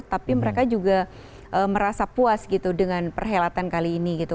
tapi mereka juga merasa puas gitu dengan perhelatan kali ini gitu